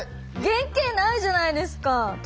原形ないじゃないですかトンボの。